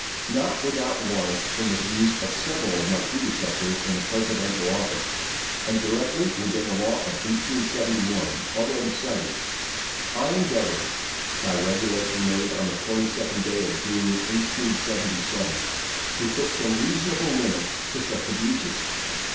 Not without warrant in the views of several of my predecessors in the Presidential office, and directly within the law of 1871, already cited, I endeavored, by regulation made on the 22d day of June, 1877, to put some reasonable limits to such abuses.